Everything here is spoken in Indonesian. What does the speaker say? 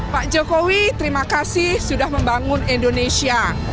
pak jokowi terima kasih sudah membangun indonesia